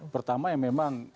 pertama yang memang